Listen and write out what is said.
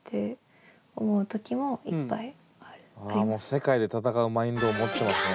世界で戦うマインドを持ってますね